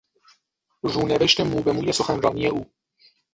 رونوشت موبهموی سخنرانی او